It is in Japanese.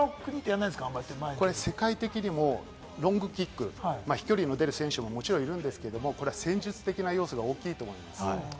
これ世界的にもロングキック、飛距離の出る選手もいるんですが、これは戦術的な要素が大きいと思います。